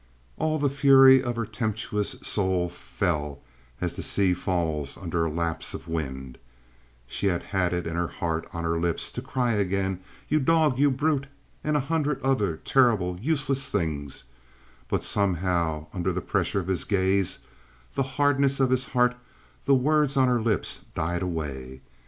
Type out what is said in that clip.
All the fury of her tempestuous soul fell, as the sea falls under a lapse of wind. She had had it in heart, on her lips, to cry again, "You dog! you brute!" and a hundred other terrible, useless things, but somehow, under the pressure of his gaze, the hardness of his heart, the words on her lips died away.